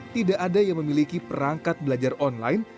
tidak ada yang memiliki perangkat belajar online